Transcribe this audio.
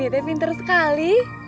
pak kmit nya pinter sekali